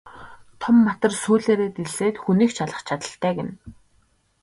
Том матар сүүлээрээ дэлсээд хүнийг ч алах чадалтай гэнэ.